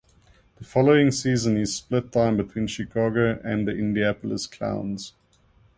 The following season he split time between Chicago and the Indianapolis Clowns.